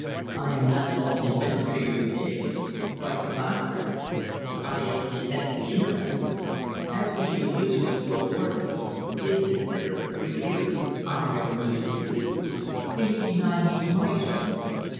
"I am not at all indifferent to your condition quite the contrary. I am intensely interested. As for the amusement you afford me please consider for three years I have amused you. Can you deny me my turn?"